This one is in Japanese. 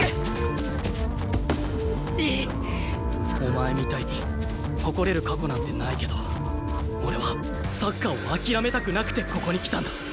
お前みたいに誇れる過去なんてないけど俺はサッカーを諦めたくなくてここに来たんだ！